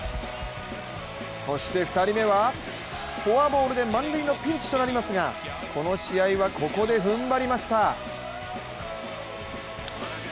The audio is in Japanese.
そして２人目はフォアボールで満塁のピンチとなりますが、この試合はここで踏ん張りました。